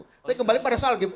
tapi kembali pada soal